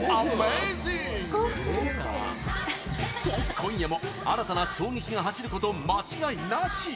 今夜も新たな衝撃が走ること間違いなし！